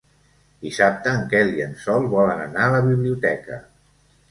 Dissabte en Quel i en Sol volen anar a la biblioteca.